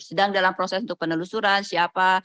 sedang dalam proses untuk penelusuran siapa